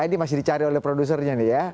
ini masih dicari oleh produsernya nih ya